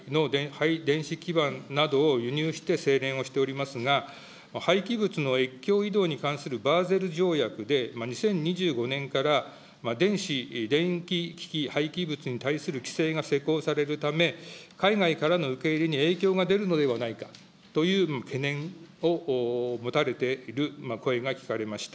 こさかせいれん所では現在も海外の廃電子基板などを輸入して精錬をしておりますが、廃棄物の越境移動に関するバーゼル条約で２０２５年から電子・電気機器廃棄物に対する規制が施行されるため、海外からの受け入れに影響が出るのではないかという懸念を持たれている声が聞かれました。